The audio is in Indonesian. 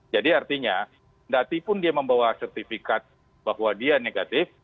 jadi artinya dati pun dia membawa sertifikat bahwa dia negatif